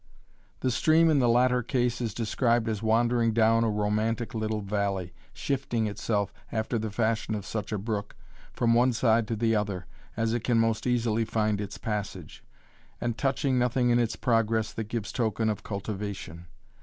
The stream in the latter case is described as wandering down a romantic little valley, shifting itself, after the fashion of such a brook, from one side to the other, as it can most easily find its passage, and touching nothing in its progress that gives token of cultivation.